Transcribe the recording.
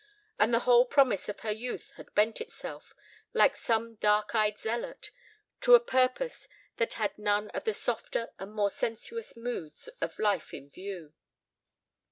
And the whole promise of her youth had bent itself, like some dark eyed zealot—to a purpose that had none of the softer and more sensuous moods of life in view.